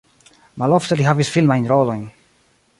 Malofte li havis filmajn rolojn.